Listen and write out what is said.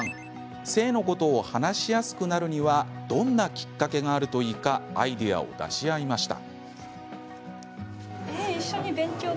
性のことを話しやすくなるにはどんなきっかけがあるといいかアイデアを出し合いました。